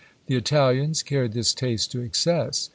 The Italians carried this taste to excess.